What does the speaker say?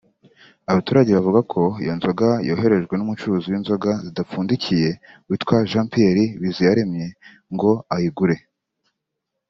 Abaturage bavuga ko iyo nzoga yoherejwe n’umucuruzi w’inzoga zidapfundikiye witwa Jean Pierre Biziyaremye ngo ayigure